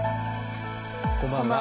こんばんは。